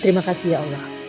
terima kasih ya allah